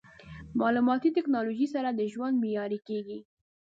مالوماتي ټکنالوژي سره د ژوند معیاري کېږي.